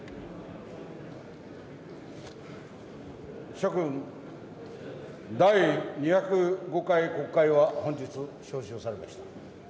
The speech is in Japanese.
諸君、第２０５回国会は本日召集されました。